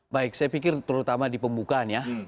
baik saya pikir terutama di pembukaannya